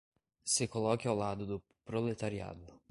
se coloque ao lado do proletariado